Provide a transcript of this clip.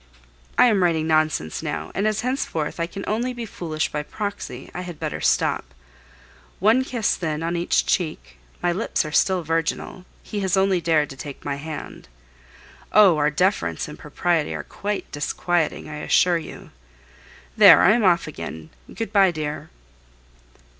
I am writing nonsense now, and as henceforth I can only be foolish by proxy, I had better stop. One kiss, then, on each cheek my lips are still virginal, he has only dared to take my hand. Oh! our deference and propriety are quite disquieting, I assure you. There, I am off again.... Good bye, dear.